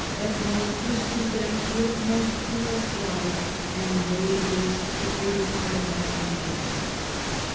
Ebroin pursued them with most cruel slaughter and laid waste the greater part of that region."